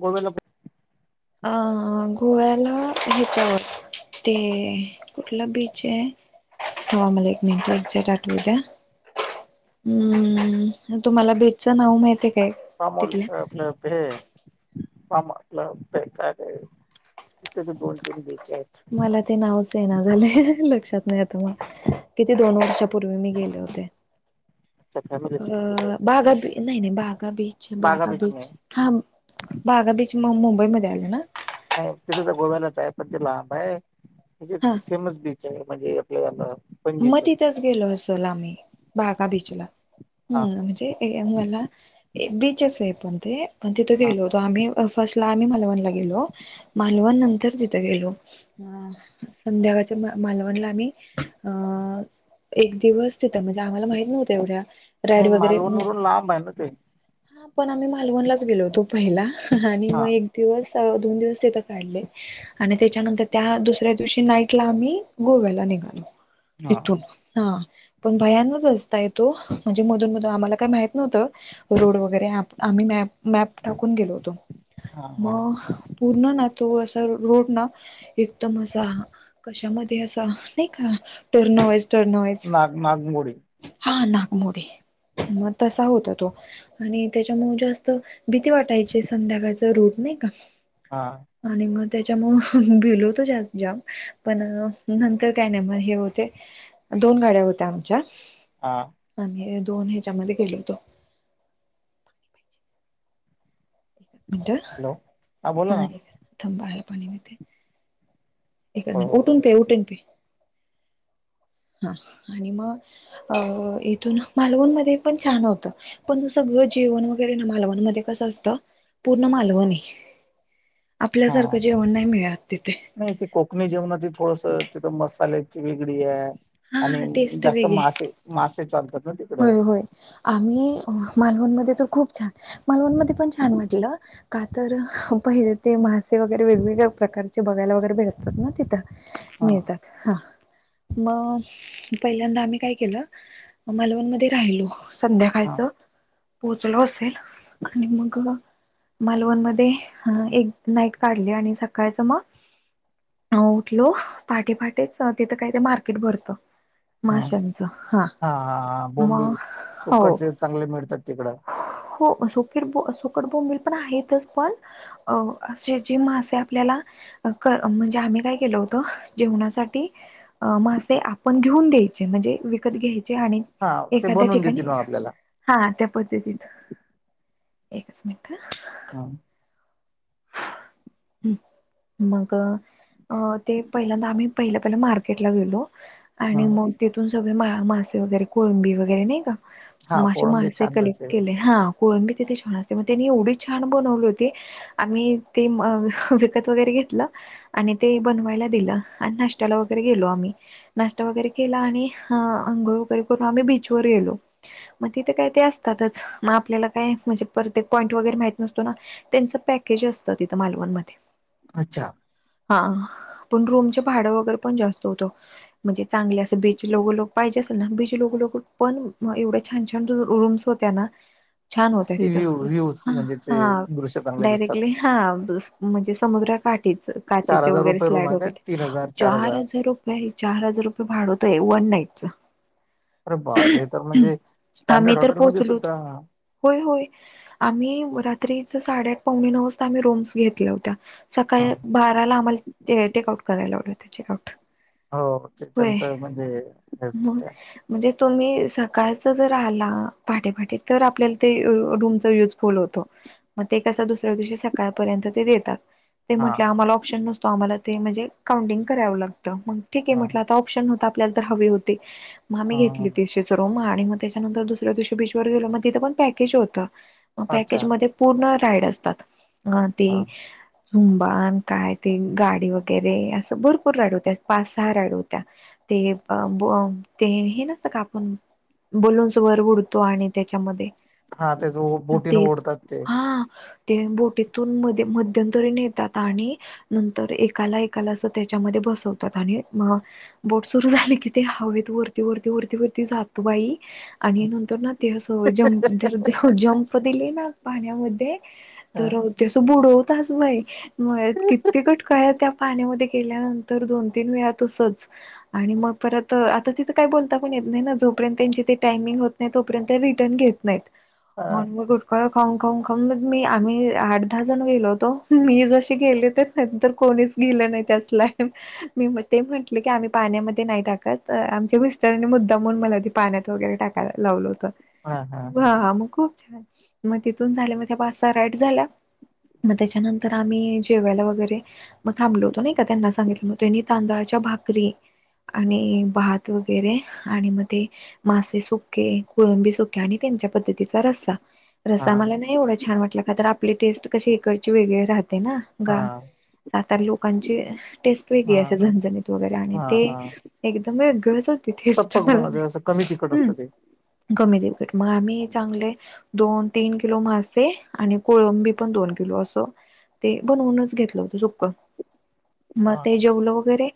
गोवेला पण आ आ गोव्याला ह्याच्यावर. ते कुठला बीच आहे. ह मला एक मिनट एझेक्ट आठवू द्या. हम्म तुम्हाला बेटचं नाव माहिती आहे काय. कामोल तिथल्या आपलं ते हे. काम आपलं प्याच आहे तिथे बी दोन तीन बीच आहेत. मला ते नावच येईना झाले लक्षात नाही आता मल किती दोन वर्षापूर्वी मी गेले होते. आमच्या फॅमिली सहित गेले अ होते बाघा बी नाही नाही बाघा बीच बागा बाघा नाही बीच. हा बाघा बीच मु मुंबईमध्ये आलं ना. नाही तिथे तर गोव्यालाच आहे पण ते लांब आहे हची हा फेमस बीच. चांगलं म्हणजे आपल्या यंदा. मग तिथंच गेलो असेल आम्ही बागा अच्छा बीचला हा हम् म्हणजे. य मला बीचेस आहे पण ते पण तिथे हा गेलो होतो आम्ही फर्स्ट. ला आम्ही मालवणला गेलो मालव नंतर. तिथं गेलो अ संध्याकाळच्या मा मालवणला आम्ही. अ एक दिवस तिथं म्हणजे आम्हाला माहित नव्हतं एवढ्या. राईड नाही वगैरे मालवण वरून लांब आहे ना ते हा पण आम्ही मालवणलाच गेलो होतो. पहिला आणि हा मग एक दिवस दोन दिवस तिथं काढले. आणि त्याच्यानंतर त्या दुसऱ्या दिवशी नाईट ला आम्ही गोव्याला निघालो. हा तिथून हा पण भयांनक रस्ता आहे तो म्हणजे मधून मधून आम्हाला काय माहित नव्हतं. रोड वगैरे, आम्ही मॅ-मॅप टाकून गेलो होतो, हा हा मग पूर्ण ना तो असा रोड ना. एकदम असा, कशामध्ये असा, नाही का. टर्नवाईस-टर्नवाईस नाग नागमोडी हा नागमोडे. मग तसा हा होता तो. आणि त्याच्यामुळे जास्त, भीती वाटायची संध्याकाळचा रूट नाही का. हा. आणि मग त्याच्यामुळे, भिल होतो जास्त जाम, पण नंतर काय नाही, म हे होत. ते दोन गाड्या होत्या आमच्या. हा. आम्ही दोन ह्याच्यामध्ये गेलो होतो. एकच हॅलो हा बोला ना मिनट, थांबा पाणी पिते. एक हो मिनटं, उठून पे, उठून पे. हा आणि मग, अ इथून, मालवण मध्ये पण छान होतं. पण त सगळं जेवण वगैरे ना मालवणमध्ये कसं असतं, पूर्ण मालवणी. आपल्यासारखं हा जेवण नाही मिळत तिथे. नाही ते कोकणी जेवणाची थोडस, तिथं मसाल्याची वेगळी आहे. हा आणि टेस्ट जास्त मासे-मासे चालतात ना ते होय-होय आम्ही मालवणमध्ये तर खूप छान, मालवणमध्ये पण छान म्हटलं. का तर, पहिले ते मासे वगैरे वेगवेगळ्या प्रकारचे बघायला वगैरे भेटतात ना तिथं. हा मिळतात. हा मग पहिल्यांदा आम्ही काय केलं. मालवण मध्ये राहिलो, हा संध्याकाळच. पोचलो असेल, आणि मग. मालवण मध्ये, एक नाईट काढली आणि सकाळचं मग. हा उठलो, पाटे पाटेच तिथं काही ते मार्केट भरतं माशाचं हा. हा-हा-हा मग बोंबिल, हो सुकटचे चांगले मिळतात तिकडं. हो सुकेट सुकट बोंबल पण आहेतच पण. अ असे मासे आपल्याला. कर म्हणजे आम्ही काय केलं होतं जेवणासाठी. मासे आपण घेऊन द्यायचे म्हणजे विकत घ्यायचे आणि हा ते एखाद्या बनवून ठिकाणी देतील मग आपल्याला. हा त्यापद्धतीत, एकच मिनट ह. हा. हम्म, मग ते पहिल्यांदा आम्ही, पहिल्या पहिला मार्केटला गेलो. आणि हं. मग तेिथून सगळे मा-मासे वगैरे कोळंबी वगैरे नाही का. हा कोळंबी मासे-मासे छान कलेक्ट मिळते इकडे. केले हा. कोळंबी तिथे छान असते. मग त्यांनी एवढी छान बनवली होती. आम्ही ते विकत वगैरे घेतलं. आणि ते बनवायला दिलं, आणि नाश्त्याला वगैरे गेलो आम्ही. नाष्ट वगैरे केला, आणि अंघोळ वगैरे करून, आम्ही बीच व गेलो. मग तिथे काय ते असतातच, मग आपल्याला काय म्हणजे प्रत्येक पॉईंट वगैरे माहित नसतो ना. त्यांच पॅकेज असतं. तिथं मालवणमध्ये अच्छा. हा, पण रूमचे भाडं वगैरे पण जास्त होतं. म्हणजे चांगले असं बीच लोग-लोग पाहिजे असेल ना, बीच लोग लोग पण एवढं छान छान रु रूम्स होत्या ना. छान होत्या सी व्ह्यू तिथं व्ह्यूज म्हणजे ते हा दृश्य चांगले डायरेक्ट दिसतात हा बस म्हणजे समुद्र काठ चार टीच हजार वगैरे रुपये रूम स्लाइड आहे वग काय ते तीन हजार चार हजार रु नाही चार हजार रुपये भाडवतोय वन नाईटचं. अरे बापरे तर म्हणजे आम्ही स्टँडर्ड तर हॉटेलमध्ये पोहोचलोत सुद्धा होय होय आम्ही रात्रीचा साडेआठ पावणे नऊ वाजता आम्ही रूम्स घेतल्या होत्या. हा सकाळी बाराला आम्हाला ते टेकआउट करायला आवड ते चेक आउट हो ते त्यांचं म्हणजे मग हेचा म्हणजे तुम्ही सकाळच जर आला पहाटे पहाटे तर आपल्याला ते रु रूमचा युजफुल होतो. म ते कसं दुसऱ्या दिवशी सकाळपर्यंत ते देतात ते हा म्हटलं आम्हाला ऑप्शन नस तो आम्हाला ते म्हणजे काउंटिंग करावं लागतं मंग ठीक आहे हा म्हटलं आता प्शन होता आपल्याला तर हवी होती म आम्ही हा घेतली होती शिर चा रूम आणि म त्याच्यानंतर दुसऱ्या दिवशी बीचवर गेलो म तिथं पण पॅकेज होतं. म अच्छा पॅकेजमध्ये पूर्ण राईड असतात आं ते हा हुंबाडन काय ते गाडी वगैरे असं भरपूर राईड होत्या पाच-सहा राईड होत्या. ते अ बू अम ते हे नसतं का आपण बलून्स वर उडतो आणि त्याच्यामध्ये हा ते जो बोटीने तेप ओढतात ते हा ते बोटीत तून मध्ये मध्यमंतरीन येतात आणि नंतर एकाला एकाला असं त्याच्यामध्ये बसवतात आणि म बोट सुरू झाली कि ते हवेत वरती वरती वरती वरती वरती जातो बाई. आणि नंतर ना ते असंहोय जम्प तर त्यो जंप दिले ना पाण्यामध्ये. हा तर ते असं बुडवताच बाय म किती कटकळ्या त्या पाण्यामध्ये गेल्या नं तर दोन तीन वेळा तसंच आणि म परत आता तिथं काय बोलता पण येत नाही ना जोपर्यंत यांचे ते टायमिंग होत नाही तो पर्यंत रिटर्न घेत नाहीत आन हा म गुटका खाऊन खाऊन लग मी आम्ही हाड ठा जण गेलो होतो मी जशी गेले ते नंतर कोणीच गेलं नाही त्याच लाईन मी म ते म्हटलं की आम्ही पाण्यामध्ये नाही टाकत अ आमच्या मिस्टराने मुद्दामुन म्हणून मला ते पाण्यात वगैरे टाक त्याला लावलं होतं. हा हा मग खूप छान म तिथून झाल्या म त्या पाच सहा राईट झाला. म त्याच्यानंतर आम्ही जेवायला वगैरे म थांबो होतो नाही का त्यांना सांगितलं म त्यांनी तांदळाच्या भाकरी आणि भात वगैरे आणि म ते मासे सुख्खे कोळंबी सुख्खे आणि त्यांच्या पद्धतीचा रस्सा. रस्सा मला नाही एवढं छान वाटलं का तर आपली टेस्ट कशी इकडची वेगळी राहते ना. हा गा सातार लोकांची टेस्ट हा वेगळी असे झणझणीत वगैरे आणि हा ते हा एकदमे गरज होती टेस्ट सप्पक मला बनवते नाही असं कमी तिखट हम्म. असतं ते कमी देेटकेट मग आम्ही चांगले दोन तीन किलो मासे आणि कोळंबी पण दोन किलो असं ते बनवूनच घेतलं होतं सुक्क म हा ते जेवलं वगैरे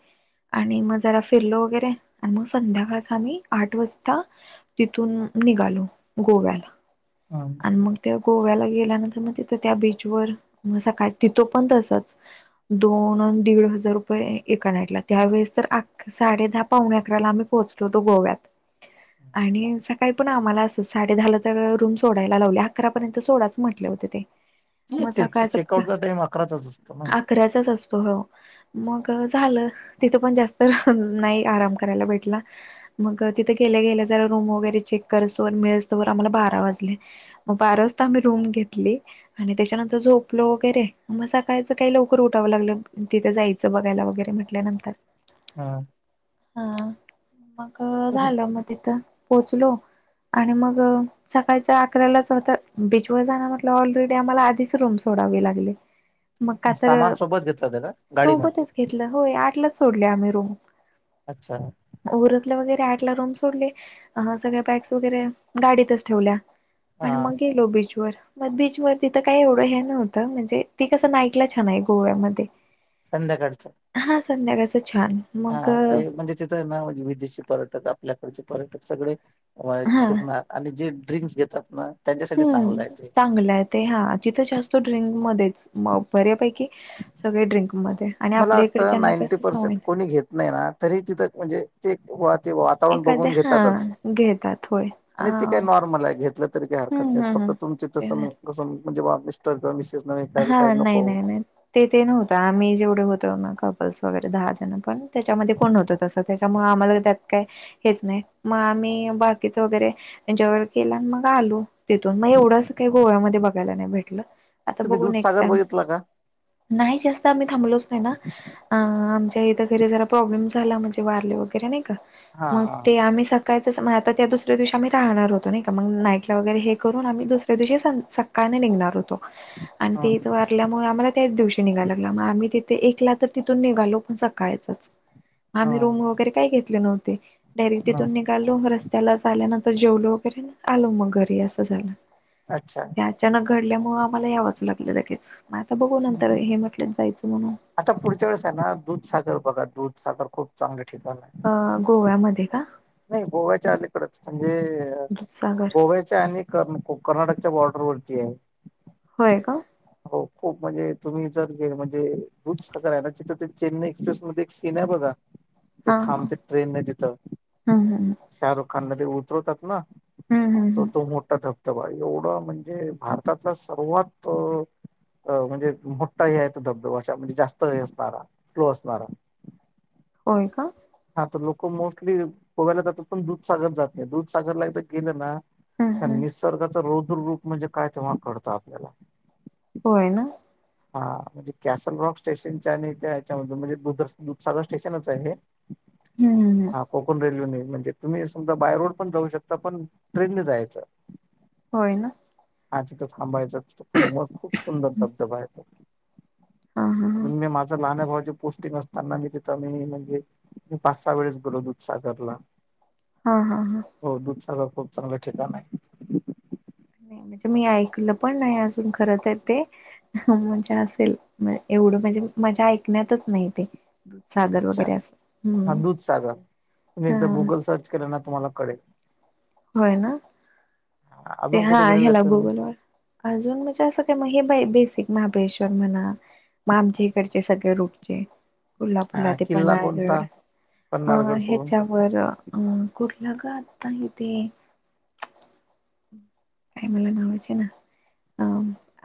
आणि मग जरा फिरलो वगैरे आणि मग संध्याकाळ आम्ही आठ वाजता तिथून निघालो गोव्याला. हां. म त्या गोव्याला गेल्यानंतर मग तिथं त्या बीचवर सकाळी तिथो पण तसच दोन दीड हजार रुपये एका नाईटला त्यावेेळेस तर साडे दहा पावणे अकराला आम्ही पोचलोतो गोव्यात आणि सकाळी पण आम्हाला असच साडे दहाला तर रूम सोडायला लावली अकरापर्यंत तर सोडाच म्हटले होते ते नाही मग तेच सकाळचं चेकआउटचा टाइम अकराचाच असतो ना अकराचाच असतो हो मग झालं तिथं पण जास्त नाही आराम करायला भेटला मग तिथं गेल्या गेल्या जरा रूम वगैरे चेक करूसतवर मिळूसतोवर आम्हाला बारा वाजले म बारा वाजता आम्ही रूम घेतली आणि तेच्यानंतर झोपलो वगैरे मग सकाळयचं काय लवकर उठावं लागलं तिथे जायचं जायच बघायला वगैरे म्हटल्यानंतर हा हा मग तर झालं मग तिथं पोहोचलो आणि मग सकाळच अकरालाच होत बीचवर जाण म्हटलं ऑलरेडी ऑलरेडी आम्हाला आधिच रूम सोडावी लागली मग का तर सामान सोबत घेतलं होतं का गाडीमध्ये सोबतच घेतलं होय आठलाच सोडली आम्ही रूम अच्छा उरकल वगैरे आठला रूम सोडले अ सगळ्या बॅग्स वगैरे गाडीतच ठेवल्या आणि हा मग गेलो बीचवर मग बीचवर तिथं काही एवढं हे नव्हतं म्हणजे ती कसं नाईटला छान आहे गोव्यामध्ये संध्याकाळचं हा संध्याकाळचं छान मग हा ते म्हणजे तिथं ना म्हणजे विदेशी पर्यटक आपल्याकडचे पर्यटक सगळे हा फिरणार आणि जे ड्रिंक्स घेतात ना त्यांच्यासाठी चांगलं आहे हम्म ते चांगल आहेत ते हा तिथं जास्त ड्रिंक मध्येच म बऱ्यापैकी सगळे ड्रिंक मध्ये आणि मला आपल्या वाटतं इकडच्यांना नाईंटी कसं पर्सेंट सवय कोणी घेत नाही ना तरी तिथं म्हणजे ते ते वातावरण बघून एखाद्या हा घेतातच घेतात होय अ आणि ते काय नॉर्मल आहे घेतलं तरी काही हरकत हम्म नाही हम्म फक्त तुमची तस ते म्हणजे मिस्टर किंवा मिसेस विचारल पाहिजे नको तेथे नव्हता आम्ही जेवढे होतो कपल्स वगैरे दहा जण पण त्याच्यामध्ये कोण नव्हत तस त्याच्यामुळे आम्हाला त्यात काय हेच नाही मग आम्ही बाकीच वगैरे एन्जॉय केला मग आलो तिथून मग एवढं असं काही गोव्यामध्ये बघायला नाही भेटलं आता तुम्ही बघू नेक्स्ट दूधसागर टाईम बघितला का? नाही जास्त आम्ही थांबलोच नाही ना अ आमच्या इथं घरी जरा प्रॉब्लेम झाला म्हणजे वारले वगैरे नाही का हा मग ते आम्ही स कायचं आता त्या दुसऱ्या दिवशी आम्ही राहणार होतो नाही का मग नाईटला वगैरे हे करून आम्ही दुसऱ्या दिवशी सं सका काळी निघणार होतो आणि हा ते इथ वार ल्यामुळ आम्हाला त्याच दिवशी निघायला लागला मग आम्ही तिथे एकला तर तिथून निघालो पण सकाळचच ह ह आम्ही रूम वगैरे काही घेतले नव्हते डायरेक्ट ह तिथून निघा लो रस्तलाच आल्यानंतर जेवलो वगैरे आलो मग घरी असं झालं अच्छा. त्यात अचानक घडल्यामुळं आम्हाला यावचं लागलं लगेच मग आता बघू नंतर हे म्हटल्यात जायचं म्हणून आता पुढच्या वेळेस आहे ना दूधसागर बघा दूधसागर खूप चांगल ठिकाण आहे. हा गोव्यामध्ये का? नाही गोव्याच्या अलीकडच म्हणजे दुधसागर गोव्या च्या आणि कर्नाटकच्या बॉर्डर वरती आहे. होय का? हो खूप म्हणजे तुम्ही जर म्हणजे दूधसागर आहे ना तिथं ते चेन्नई एक्सप्रेसमध्ये सीन आहे बघा ते हा हा थांबते ट्रेनने तिथं. हम्म हम्म. शाहरुखानला ते उतरवतात ना हम्म हम्म तर हम्म. तो मोठा धब तेव्हा एवढं म्हणजे भारताला सर्वात अ म्हणजे मोठा आहे तो धबधबा अशा म्हणजे जास्त हे असणारा फ्लो असणारा. आहे का? हा तर लोक मोस्टली गोव्याला जातात पण दुधसागर जात नाही दुधसागरला एकदा गेलं ना हं कारण हं निसर्गाच रुद्र रूप म्हणजे काय तेव्हा कळतं आपल्याला. होय ना. हा म्हणजे कॅसल रॉक स्टेशनच्या आणि त्या याच्यामून म्हणजे दुध-दुधसागर स्टेशनच आहे हे. हम्म. कोकण रेल्वेने म्हणजे तुम्ही समजा बाय रोड पण जाऊ शकता पण ट्रेनने जायचं. होय ना. हा तिथ थांबायचं तिथ खूप सुंदर धबधबा आहेे तो. हां हां हां पण मी माझं लहान भाऊचे पोस्टिंग असताना मी तिथं मी म्हणजे मी पाच-सहा वेळेस गेलो दुधसागरला. हा हा हा. हो दूधसागर खूप चांगलं ठिकाण आहे. म्हणजे मी ऐकलं पण नाही अजून खर तर ते. म्हणजे असेल एवढं म्हणजे माझ्या ऐकण्यातच नाही ते. चाल. अच्छा, हा दुधसागर तुम्ही एकदा हा गुगल सर्च केलं ना तुम्हाला कळेल. होय ना, हा, ते अजून हा कुठे गेलेले ह्याला आहेत तुम्ही गुगल वर अजून म्हणजे असं काय मग हे बेसिक महाबळेश्वर म्हणा. मग आमच्या इकडचे सगळे रुटचे कोल्हापुरला हा ते किल्ला पन्हाळगड कोणता अ पन्हाळगड सोडून ह्याच्यावर अ कुठलं गं आता इथे तेे. काय मला नावाच येईना अ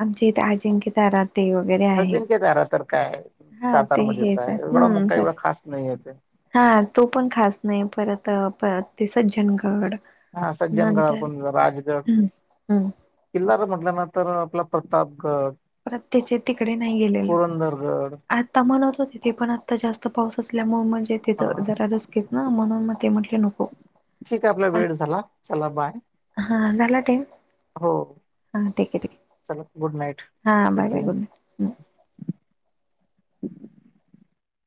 आमच्या इथे अजिंक्यतारात ते वगैरे आहेत, अजिंक्य तारा तर काय हा ते हेच हम्म. असल [unintelligible] हा तो पण खास नाही परत ते आपलं सज्जनगड. हा नंतर सज्जनगड पण जरा राजगड. हम्म हम्म किल्ला जर म्हटलं ना तर आपला प्रतापगड. परत त्याचे तिकडे नाही गेले पुरंदरगड आ आता मला वाटलं तिथे पण आता जास्त पाऊस असल्यामुळे म्हणजे हा तिथं जरा रिस स्क असते ना म्हणून मग ते म्हटले नको. ठीक आहे आपला वेळ झाला चला बाय. हा हा झाला टाईम. हो, हा ठीक आहे ठीक चला गुड नाईट. हा बाय बाय गुड नाईट.